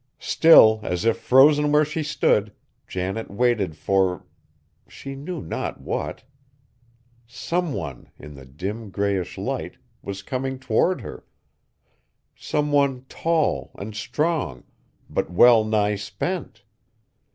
Still, as if frozen where she stood, Janet waited for she knew not what! Some one, in the dim, grayish light, was coming toward her, some one tall and strong, but well nigh spent!